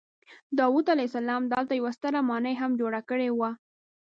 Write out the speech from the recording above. داود علیه السلام دلته یوه ستره ماڼۍ هم جوړه کړې وه.